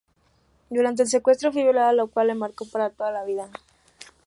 Durante el secuestro fue violada, lo cual la marcó para toda la vida.